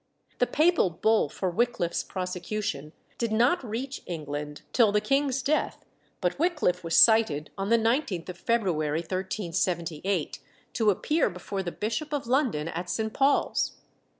The Papal bull for Wickliffe's prosecution did not reach England till the king's death, but Wickliffe was cited on the 19th of February, 1378, to appear before the Bishop of London at St. Paul's.